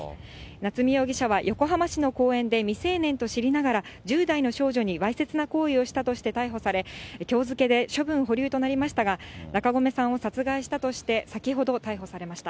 夏見容疑者は、横浜市の公園で未成年と知りながら１０代の少女にわいせつな行為をしたとして逮捕され、きょう付けで処分保留となりましたが、中込さんを殺害したとして、先ほど、逮捕されました。